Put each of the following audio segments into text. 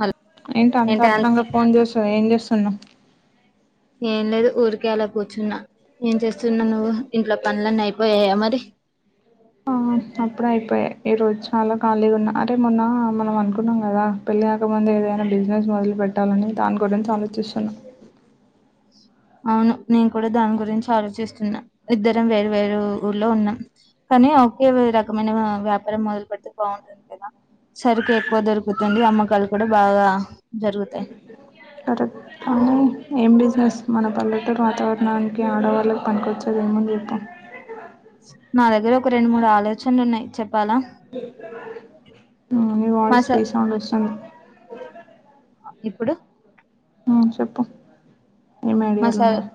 Hello ఏంట ఏంటి అన్ అంతాత్రంగా ఫోన్ చేసావ్ ఏం చేస్తున్నానవ్ ఏం లేదు ఊరికేలా కూర్చున్నా ఏం చేస్తున్నా నువ్వు ఇంట్లో పనులన్నీ అయిపోయా మరి అప్పుడ అయిపోయాయి ఈరోజు చాలా ఖాళీగా ఉన్నా అరే మొన్న మనం అనుకున్నాం కదా పెళ్ళి కాకముంద ఏదైనా బిజినెస్ మొదలు పెట్టాలని దాని గురించి ఆలోచిస్తున్నా అవును నేను కూడా దాని గురించి ఆలోచిస్తున్నా ఇద్దరం వేరు వేరు ఊర్లో ఉన్నాం ఒకే రకమైన వ్యాపారం మొదలు పెడితే బాగుంటుంది కదా సరుకు ఎక్కువ దొరుకుతుంది అమ్మకాలు కూడా బాగా జరుగుతాయి సరే కానీ ఏం బిజినెస్ మన పల్లెటూరు వాతావరణానికి ఆడవాళ్ళకి పంకొచ్చది ఏముంది చెప్పు నా దగ్గర ఒక రెండు మూడు ఆలోచనలు ఉన్నాయి చెప్ప మీ వాయిస్ మసా రీసౌండ్ వస్తుంది ఇప్పుడు చెప్పు ఏం ఐడియాలు మసాలా ఉన్నాయి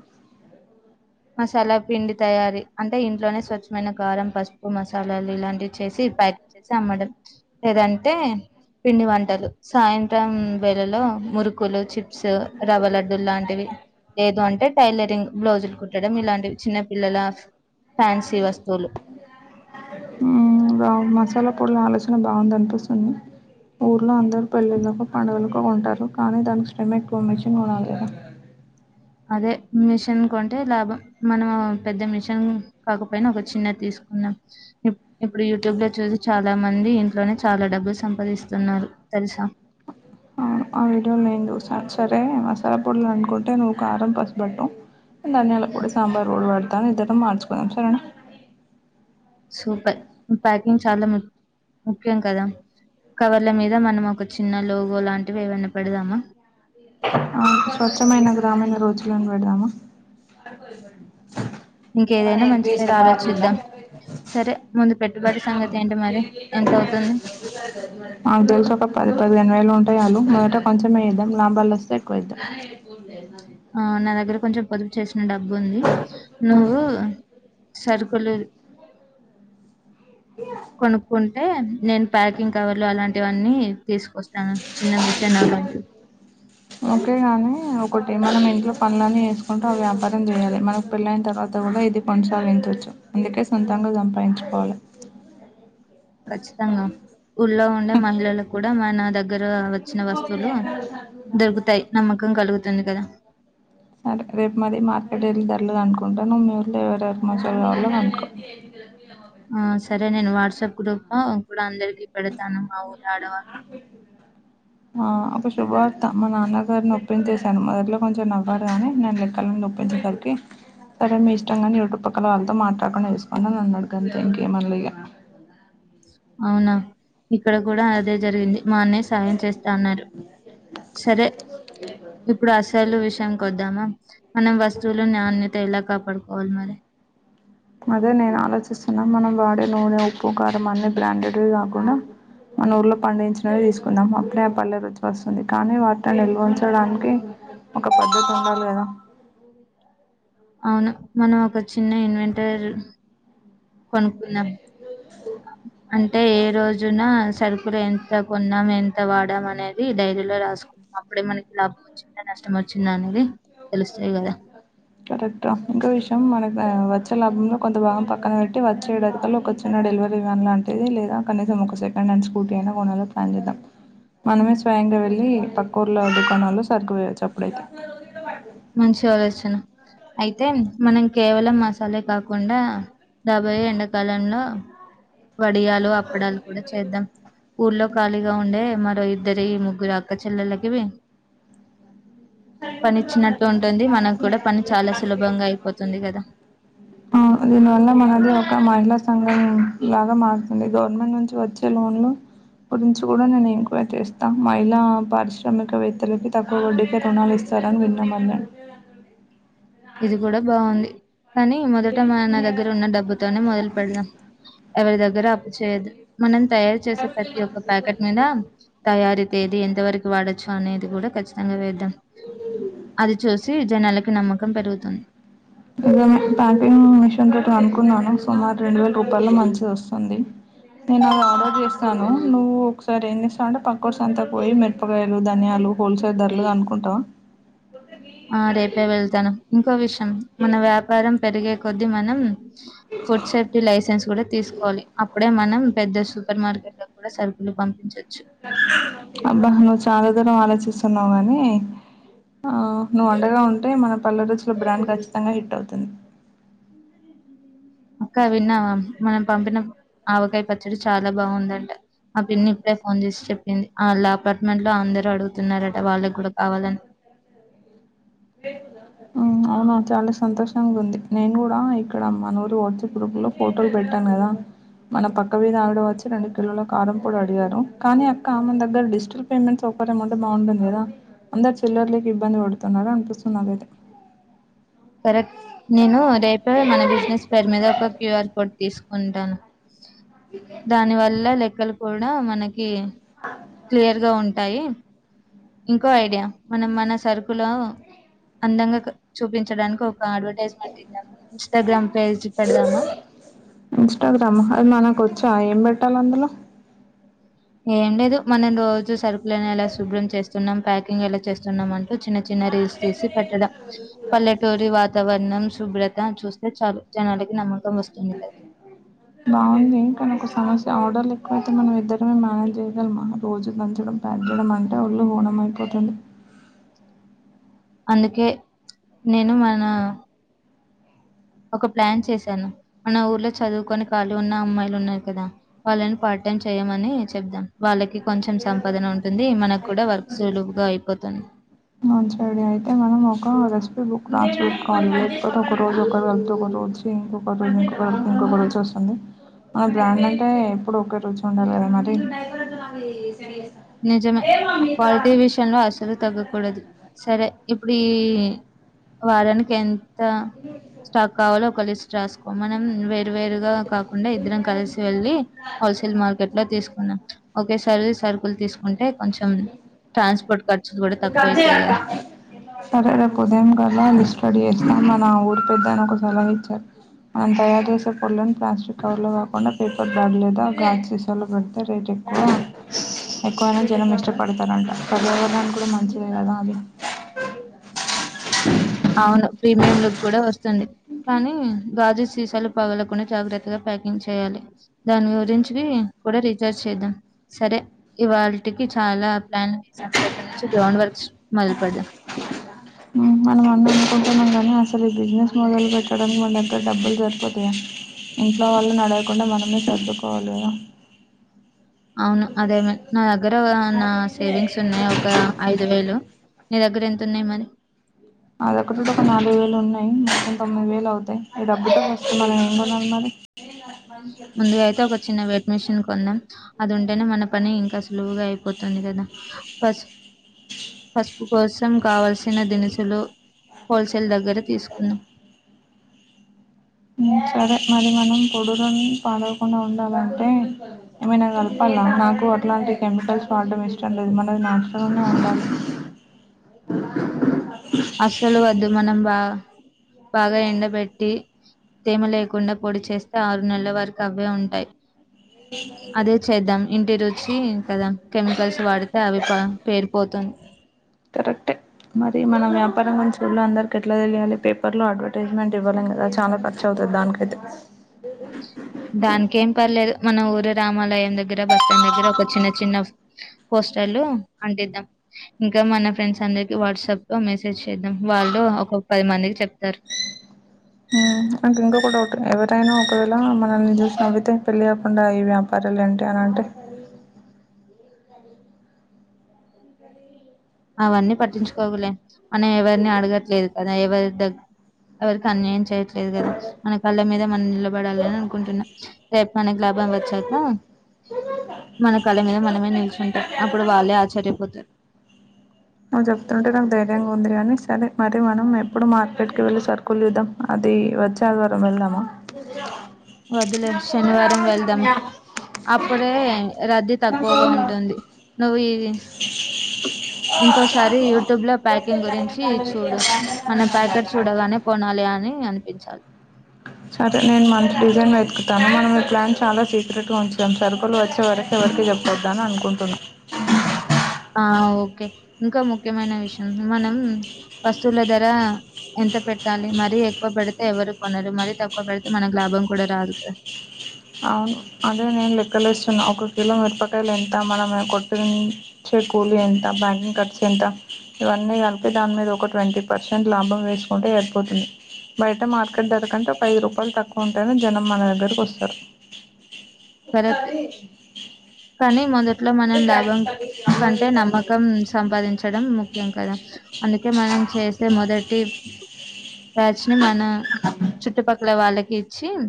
మసాలా పిండి తయారీ అంటే ఇంట్లోనే స్వచ్ఛమైన కరం పసుపు మసాలాలు ఇలాంటివి చేసి సి పక్ చేసి అమ్మడం లేదంటే పిండి వంటలు సాయంత్రం వేళలో మురుకులు చిట్ సు రవ్వ లడ్డూ లాంటివి లేదు అంటే టైలరింగ్ బ్లౌజులు కుట్టడం ఇలాంటివి చిన్న పిల్లల ఫ్యాన్సీ వస్తువులు మసాలా పోడలా అల చాలా బాగుంది అనిపిస్తుంది ఊర్లో అందరు పెళ్లిళ్లకు పండుగలకు ఉంటారు కానీ దానికి శ్రమ ఎక్కువ మెషిన్ కొనాలికదా అదే మిషన్ కొంటే లాభం మనం పెద్ద మిషన్ కాకపోయినా ఒక చిన్న తీసుకు ఇప్పుడు యూట్యూబ్ లో చూసి చాలా మంది ఇంట్లోనే చాలా డబ్బులు సంపాదిస్తున్నారు తెలుసా ఆ వీడియోలో నేను చూసాను సరే మసాలా పొడ్లు అనుకుంటే నువ్వు ఒక కారం పసుపు పట్టు ధన్యాల పొడి సాంబార్ పొడి పడతాని ఇద్దర మార్చుకుదాం సరేనా సో ప్యాకింగ్ చాలా ముఖ్యం కదా కవర్ల మీద మనం ఒక చిన్న లోగో లాంటివి ఎవనా పెడదామా స్వచ్ఛమైన గ్రామణ రోజులు అని పెడదామా [inaudible] ఇంకేదైనా మంచి పేరు ఆలోచిద్దాం సరే ముందు పెట్టుబడి సంగతి ఏంటి మరి ఎంత అవుతుంది నాకు తెలిసి ఒక్క పది ఒక పదిహేను వేలు ఉంటా చాలు మొదట కొంచెంమేద్దాం లాభాలు వస్తే ఎక్కువ చేదాం ఆ నా దగ్గర కొంచెం పొదుపు చేసిన డబ్బు ఉంది నువ్వు సరుకులు కొనుక్కుంటు టే నేను ప్యాకింగ్ కవర్లు అలాంటివన్నీ తీసుకొస్తాను చిన్న మెషిన్ అలాంటివి పనులని వేసుకుంటూ వ్యాపారం చేయాలి మనకు పెళ్ళన తర్వాత కూడా ఇది కొనసాగించచ్చు అందుకే రెండో సంపాదించుకోవాలి ఖచ్చితంగా ఊళ్లలో ఉండే మహిళలు కూడా మా నా దగ్గర దగ్గర వచ్చిన వస్తువులు దొరుకుతాయి నమ్మకం కలుగుతుంది కదా సరే రేపు మది మార్కెట్ వెళ్ళి ధరలుగా అనుకుంటాను నువ్ మీ ఊర్లో ఎవర్ ఎవరికి మసాలా కావాలో కనుకో ఆహ్ సరే నేను వాట్సాప్ గ్రూప్ లో ఇప్పుడు అందరికి. పేడతాను మా ఊరి ఆడవాళ్ళుకి. ఆహ్ ఒక శుభవార్త మా నాన్నగారిని ఒప్పించేసాను. మొదట్లో కొంచెం నవ్వారు కాని నేను లెక్కలు. [unintelligible] అందరికీ. సరే మీ ఇష్టంగాని ఇంటి పక్కల వాళ్ళతో మాట్లడకుండ చూసుకోండి అని అన్నాడు కానీ గంతే ఇంకా ఏమనలేదు ఇగ అవునా ఇక్కడ కూడా అదే జరిగింది మా అన్నయ్య సాయం చేస్త అన్నారు సరే ఇప్పుడు అసలు విషయం కొద్దామా మనం వస్తువులు నాణ్యత ఎలా కాపాడుకోవాలి మరి. అదే నేను ఆలోచిస్తున్నా మనం వాడే నూనె ఉప్పు కారం అన్ని బ్రాండెడ్వి కాకుండా. మన ఊళ్లో పండించినవి తీసుకుందాం అప్పుడే ఆ పల్లె రుచి వస్తుంది కానీ వాటిని నిల్వ ఉంచడానికి. ఒక పద్ధతి ఉండాలి కదా. మన మనం ఒక చిన్న ఇన్వెంటర్ కొనుకుందాం. అంటే ఏ రోజున. సరుకులు ఎంత కొన్నాం ఎంత వాడాం అనేది డైరీలో రాసుకు అప్పుడే మనకి లాభం వచ్చిందని. కష్టం వచ్చిందా అండి. కరెక్ట ఇంకో విషయం మన. వ వచ్చే లాభంలో కొంత భాగం పక్కన పెట్టి వచ్చేడాదికల్లో ఒక చిన్న డెలివరీ వ్యాన్ లాంటిది లేదా కనీసం. ఒక సెకండ్ హండ్ స్కూటీ అయినా కొనల ప్లాన్ చేద్దాం. మనమే స్వయంగా వెళ్ళి పక్కుర్లో దుకాణాలు సరుకులేయొచ్చు అప్పుడైతే. మంచి ఆలోచన అయితే మనం కేవలం మసాలే కాకుండా. రాబోయే ఎండకాలంలో వడియాలు అప్పడాలు కూడా చేద్దాం. ఊర్లో ఖాళీగా ఉండే మరో ఇద్దరి ఈ ముగ్గురు అక్కచెల్లలకివి. టైమ్గు దోస. ఉంటుంది మనకు కూడా పని చాలా సులభంగా అయిపోతుంది గదా. ఆహ్ దీనివల్ల మనది ఒక మహిళా సంఘం. ఎలాగో మారుతుంది గవర్నమెంట్ నుంచి వచ్చే లోన్లు. గురించి కూడా నేను ఇంక్వైరి చేస్తా మహిళ పారిశ్రామికవేత్తలకి తక్కువ వడ్డీ. కె రుణాళిస్తారని విన్నమమ్మే. ఇది కూడా బాగుంది. కానీ మొదట మన నా దగ్గర ఉన్న డబ్బుతోనే మొదలు పెడదాం ఎవరి దగ్గర. దగ్గర అప్పు చేయొద్దు మనం తయారు చేసే ప్రతి ఒక్క ప్యాకెట్ మీద తయారి. ఏది ఎంత వరకు వాడొచ్చు అనేది కూడా ఖచ్చితంగా వేద్దాం అది చూసి జనాలకి. నమ్మకం పెరుగుతుంది. నిజమే ప్యాకింగ్ మిషన్రేటు అనుకున్నాను సుమారు రెండు వేల రూపాయలలో మంచిది వస్తుంది. నేను అది ఆర్డర్ చేస్తాను నువ్వు ఒకసారి ఏంచేస్తావంటే పక్కూరి సంతకు పోయి మిరపకాయలు ధనియాలు. హోల్సేల్ ధరలు అనుకుంటావ. ఆహ్ రేపే వెళ్తాను ఇంకో విషయం మన వ్యాపారం పెరిగే కొద్దీ మనం. ఫుడ్ సేఫ్టీ లైసెన్స్ కూడా తీసుకోవాలి అప్పుడే మనం. పెద్ద సూపర్ మార్కెట్ లో కూడా సరుకులు పంపించొచ్చు. అబ్బా నువ్వు చాలా దూరం ఆలోచిస్తున్నవు గాని. ఆహ్ నువ్వు అండగా ఉంటే మన పల్లె రుచుల బ్రాండ్ ఖచ్చితంగా హిట్ అవుతుంది. అక్క విన్నావా మనం పంపిన ఆవకాయ పచ్చడి చాలా బాగుందంట. ఆహ్ పిన్ని ఇప్పుడే ఫోన్ చేసి చెప్పింది ఆళ్ళా అపార్ట్మెంట్ లో అందరు అడుగుతున్నారట వాళ్ళకి కూడా కావాలని. అవునా చాలా సంతోషంగా ఉంది నేను కూడా ఇక్కడ మన ఊరి [unintelligible] ఇప్పుడు. లో ఫోటోలు పెట్టాను కదా. మన పక్క వీధి ఆవిడ వచ్చి రెండు కిలోల కారం పొడి అడిగారు. కానీ అక్క ఆమె దగ్గర డిజిటల్ పేమెంట్స్. కాటమంటే అంటే బాగుంటది కదా. అందరు చిల్లర్లకి ఇబ్బంది పెడుతున్నరు అనిపిస్తుంది నాకైతే. కరెక్ట్ నేను రేపే మన బిజినెస్ పేరు మీద ఒక క్యూఆర్ కోడ్ తీసుకుంటాను దాని వల్ల లెక్కలు కూడా మన క్లియర్ గా ఉంటాయి ఇంకో ఐడియా మనం మన సరుకులు అందంగా చూపిం చడానికి ఒక అడ్వర్టైజ్మెంట్ ఇద్దామా ఇన్స్టాగ్రామ్ పేజ్ పెడదామా ఇంస్టాగ్రామ్ అది మనకోచ్చా ఏం పెట్టాలందులో. ఏం లేదు మనం రోజు సరుకులనేలా శుభ్రం చేస్తున్నాం ప్యాకింగేలా చేస్తున్నాం అని. చిన్న చిన్న రీల్స్ తీసి పెట్టడం పల్లెటూరి వాతావరణం. శుభ్రత చూస్తే చాలూ జనాలకి నమ్మ. బాగుంది కని ఒక సస్ ఆర్డర్లు ఎక్కువైతే మనం ఇద్దరమే మేనేజ్ చేయగలమా రోజు దంచడం ప్యాక్ చేయడం అంటే ఒళ్ళు హోణం అయిపోది తది అందుకే నేను మనా ఒక ప్లాన్ చేశాను మన ఊర్లో చదువుకొని కాళ్ళి ఉన్న అమ్మాయిలున్నారు కదా వాళ్ళని పాటి పాటైం చేయమని చెబ్దాం వాళ్ళ కి కొంచెం సంపాదనుంటుంది మనకు కూడా వర్క్ సులువ్గా అయిపోతుంది మంచిడైతే మనం ఒక [unintelligible] ఇ బుక్ నా చూసుకాలి ఇ ఒక రోజు ఒక వెల్త్ ఒక రోజు ఇంకోక రోజు ఇంక ఇంకొక రోచ్చుస్త మన బ్రాండంటే ఎప్పుడు ఒకే రుచుండాలి కదా మరి నిజమే క్వాల్టీ విషయంలో అసలు తగ్గాకూ కూడదు సరే ఇప్పుడీ వారానికెం స్టాక్ కావాలో ఒక లిస్ట్ రాసుకో మనం వేరు వేరుగా కాకుండా ఇద్దరం కలిసి వెళ్ వెళ్లి హోల్సేల్ మార్కెట్లో తీసుకున్నాం ఒకే సారి సర్కుల్ తీసుకుంటే కొంచెం మరి ట్రాన్స్పోర్ట్ ఖర్చులు కూడా తక్కువైతాయి కదా సరే రేపు ఉదయం గాల లిస్ట్ రడీ చేస్తాం మనా ఊరు పెద్దాయన ఒక సలహా ఇచ్చారు మనం తయారు చేసే పొడ్లను ప్లాస్టిక్ కవర్లో కాకుండా పేపర్ బ్యాగ్ లేదా ఒక గాజ్సిసోలు పడితే రేట్ ఎక్కువ ఎక్కువనే జనమిష్ట పడ్తారంట పర్యావరణానికి కూడా మంచిదే కదా అది ఔను ప్రీమియం లుక్ కూడా వస్తుంది కానీ గాజు సీసాలు పగలకుండా జాగ్రత్తగా ప్యాకింగ్ చేయాలి దాని గురించి కూడా రీచార్జ్ చేద్దాం సరే ఇవాళిటికి చాలా ప్లానింగ్ చేసాం రేపట్నుంచి గ్రౌండ్ వర్క్స్ మొదల్పేడదాం మనం అన్ని అనుకుంటున్నాం కానీ అసలు ఈ బిజినెస్ మొదల్పెట్టడానికి మన దగ్గర ఎంత డబ్బులు సర్పోతయా ఇంట్లో వాళ్ళని అడగకుండా మనమే సర్దుకోవాలి గదా ఔను అదేమ నా దగ్గర నా సేవింగ్స్ ఉన్నాయి ఒక ఐదు వేలు నీ దగ్గరేంతు ఉన్నాయి మరి నాదెగ్గర్నుండి ఒక నాలుగు వేలు ఉన్నాయి మొత్తం తొమ్మిది వేలువుతాయి ఈ డబ్బుతో మనం అసలు ఏం కోన్నాలి మరి ముందుగా ఐతే ఒక చిన్న వెట్ మిషన్ కొందాం అదుంటేనే మన పని ఇంకా సులువుగా అయిపోతది తుంది కదా పస్ పసుపు కోసం కావల్సిన దినుసులు హోల్సేల్ దగ్గర తీసుకున్నాం ఊ సరే మరి మనీ కొడు పాడవకుండా ఉండాలంటే ఏమైనా కల్పాల నాకు అట్లాంటి కెమికల్స్ వాడం ఇష్టం లేదు మనది నాచురల్గానే ఉండాలి అసలు వద్దు మనం బా బాగా ఎండబెట్టి తేమ లేకుండా పొడి చేస్తే ఆరు నెల్ల వరకు అవే ఉంటాయి అదే చేద్దాం ఇంటి రుచి కదా కెమికల్స్ వాడితే అవి ప పేరిపోతుంది కరక్టే మరి మన వ్యాపారం గురించి ఊల్లో అందర్కేట్లా తెలియాలి పేపర్లో అడ్వటైర్జ్మెంట్ ఇవ్వలేం కదా చానా ఖర్చవుతుంది ప్రదానికైతే దానికేం పర్లేదు మన ఊరు రామాలయం దగ్గర బస్ స్టాండ్ దగ్గర ఒక చిన్న చిన్న పోస్టర్లు అంటిద్దాం ఇక మన ఫ్రెండ్స్ అందరికి వాట్సాప్లో మెసేజ్ చేద్దాం వాళ్ళు ఆ ఒక పది మందికి చెప్తారు ఉమ్ నాకు ఇంకొక డౌట్ ఎవరైనా ఒకవేళ మనల్ని చూసిన నవ్వితే పెళ్ళి కాకుండా ఈ వ్యాపారాలలేంటి అలా అంటే అవన్నీ పటించుకోకులే మనం ఎవరిని అడగట్లేదు తన ఎవరి దగ్ ఎవరికి అన్య చేయట్లేదు కదా మన కళ్ళ మీద మనం నిలబడాలని అని అనుకుంటున్నా రేపు మనకి లాభం వచ్చాక మన కాల మీద మనమే నిల్చుంటాం అప్పుడు వాళ్ళే ఆశ్చర్యపోతారు నువు చెప్తుంటే నాకు ధైర్యంగా ఉంది కానీ సరే మరి మనం ఎప్పుడు మార్కెట్ కి వెళ్ళి సర్కులు తెదాం ది వచ్చేఆదివారం వెళదామా వద్దులే శనివారం వెళ్దాము అప్పుడే రద్దీ తక్కువగా ఉంటుంది నువ్వు ఇది ఇంకోసారి యూట్యూబ్ లో ప్యాకింగ్ గురించి చూడు మన ప్యాకెట్ చూడగానే కొనాలి అ అని అనిపించాలి సరే నేను మంచి డిజైన్ వెతుకుతాను మనం ఈ ప్లాన్ చాలా సెక్రెట్ గా ఉంచుదాం సరుకులు వచ్చే వరకు ఎవరికి చెప్పదు అని అనుకుంటున్నా ఆ ఓకే ఇంకా ముఖ్యమైన విషయం మనం వస్తువుల ధర ఎంత పెట్టాలి మరీ ఎక్కువ పెడితే ఎవరు కొనరు మరీ తక్కువ పెడితే మనకు లాభం కూడా రాదు క అవును అదే నేను లెక్కలేస్తున్నా ఒక కిలో మిరపకాయలు ఎంత మనమే కొట్టి కూలి ఎంత బ్యాకింగ్ కట్స్ ఎంత ఇవన్నీ కలిపి దాని మీద ఒక ట్వంటీ పర్సెంట్ లాభం వేసుకుం ఉంటె సరిపోతుంది బయట మార్కెట్ ధరకంటే ఒక ఐదు రూపాయలు తక్కువ ఉంటాయని జనం మన దగ్గరకి వస్తారు కరెక్ట్ ఒకసారి కానీ మొదట్లో మనం లాభం కంటే నమ్మకం సంపాదించడం ముఖ్యం కదా అందుకే మనం చేసే మొదటి యాక్టుల్లీ మన చుట్టుపక్కల వాళ్ళకి చిన్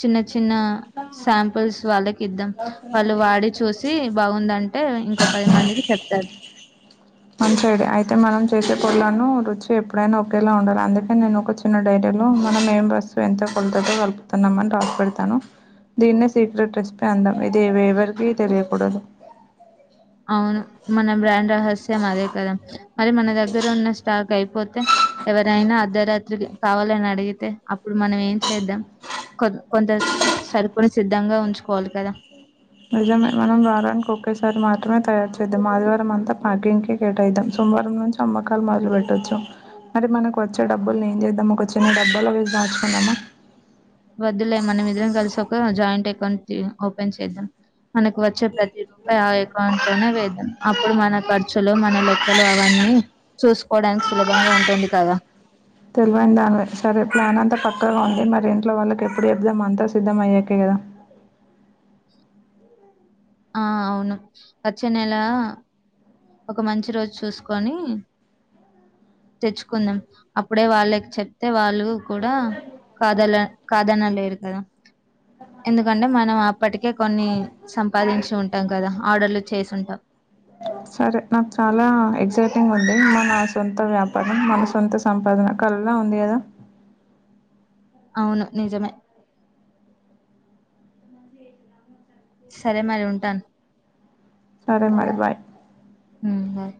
చిన్న చిన్న శాం పీల్స్ వాళ్ళకి ఇద్దాం వాళ్ళు వాడి చూసి బాగుందంటే ఇంకో పది మందికి చెప్తారు మంచి ఐడియా అయితే మనం చేసే పొలను రుచి ఎప్పుడైనా ఒకేలా ఉండాలి అందుకని నేను ఒక చిన్న డైరీలో మనం ఏం వస్తువు ఎంత కొలత కల్పుతున్నాము అని రాసి పెడతాను దీనే సీక్రెట్ రెసిపీ అందం ఇది ఎ ఎవరికీ తెలియకూడదు అవును మన బ్రాండ్ రహస్యం అదే కదా మరి మన దగ్గర ఉన్న స్టాక్ అయిపోతే ఎవరైనా అర్ధరాత్రి కావాలని అడిగితే అప్పుడు మనం ఏం చేద్దాం కొ కొంత సరుకుని సిద్ధంగా ఉంచుకోవాలి కదా నిజమే మనం వరనికి ఒకేసారి మాత్రమే తయారు చేద్దాం ఆదివారం అంతా ప్యాకింగ్ కె కేటాయిద్దాం సో సోమవారం నుంచి అమ్మకాలు మొదలు పెట్టొచ్చు మరి మనకు వచ్చే డబుల్ని ఏం చేద్దాం ఒక చిన్న డబ్బా లొ వేస్ దాచుకుందామా వద్దులే మనమిదరం కలిసి ఒక జాయింట్ అకౌంట్ తి ఓపెన్ చేద్దాం మనకు వచ్చే ప్రతి రు పాయి ఆ అకౌంట్ లోనే వేదాం అప్పుడు మన కర్చులు మన లెక్ క్కలు అవన్నీ చూసుకోవడానికి సులభంగా ఉంటుంది కదా తెలివైన దానివే సరే ప్లాన్ అంతా పక్కగా ఉంది మరి ఇంట్లో వాళ్ళకి ఎప్పుడు చెపుదాం అంత సిద్ధం అయ్యాకే కదా ఆ అవును వచ్చే నెల ఒక మంచి రోజు చూసుకొని తెచ్చుకుందాం అప్పుడే వాళ్ళకి చెప్తే వాళ్ళు కూడా కాదల కాదనలేరు కదా ఎందుకంటే మనం ఆ ఎప్పటికె కొన్ని సంపాదించి ఉంటాం కదా ఆర్డర్లు చేసింటాం సరే నాకు చాలా ఎక్సైటింగ్ ఉంది మ నా సొంత వ్యాప్ పరం మన సొంత సంపాదన కలల ఉంది కదా అవును నిజమే సరే మరి ఉంటాను సరే మరి బాయ్ ఊ బాయ్